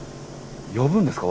呼ぶんですか？